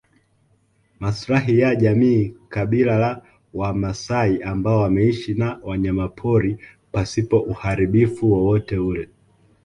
Maslahi ya jamii kabila la wamaasai ambao wameishi na wanyamapori pasipo uharibifu wowote ule